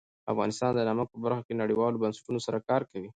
افغانستان د نمک په برخه کې نړیوالو بنسټونو سره کار کوي.